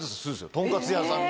とんかつ屋さんに。